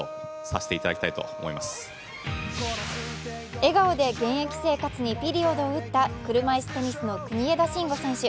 笑顔で現役生活にピリオドを打った車いすテニスの国枝慎吾選手。